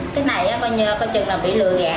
cái này coi như coi chừng là bị lừa ghẻ